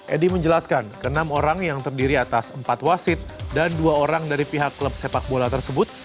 edi menjelaskan ke enam orang yang terdiri atas empat wasit dan dua orang dari pihak klub sepak bola tersebut